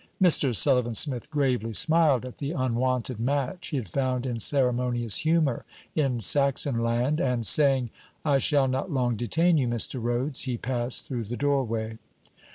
Mr. Sullivan Smith gravely smiled at the unwonted match he had found in ceremonious humour, in Saxonland, and saying: 'I shall not long detain you, Mr. Rhodes,' he passed through the doorway.